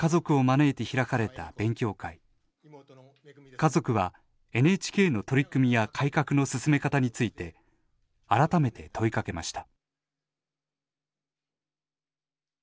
家族はＮＨＫの取り組みや改革の進め方について改めて問いかけました。